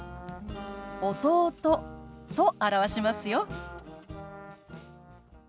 「弟」と表しますよ。